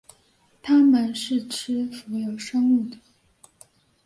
它们是吃浮游生物的。